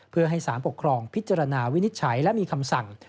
เพื่อให้สารปกครองพิจารณาวินิจฉัยและมีคำสั่ง